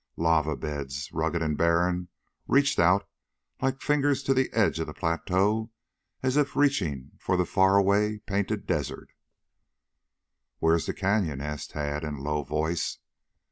Lava beds, rugged and barren, reached out like fingers to the edge of the plateau as if reaching for the far away painted desert. "Where is the Canyon?" asked Tad in a low voice.